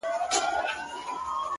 • هر یو پر خپله لاره روان سي ,